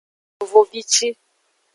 Yevovici.